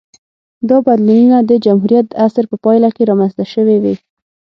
دا بدلونونه د جمهوریت عصر په پایله کې رامنځته شوې وې